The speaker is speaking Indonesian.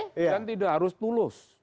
kan tidak harus tulus